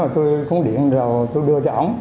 tôi cũng điện rồi tôi đưa cho ông